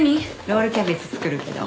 ロールキャベツ作るけど。